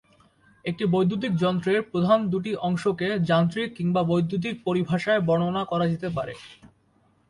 একটি বৈদ্যুতিক যন্ত্রের প্রধান দুটি অংশকে যান্ত্রিক কিংবা বৈদ্যুতিক পরিভাষায় বর্ণনা করা যেতে পারে।